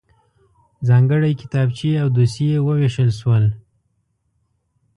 ځانګړی کتابچې او دوسيې وویشل شول.